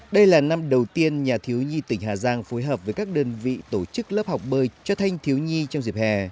đây là năm đầu tiên nhà thiếu nhi tỉnh hà giang phối hợp với các đơn vị tổ chức lớp học bơi cho thanh thiếu nhi trong dịp hè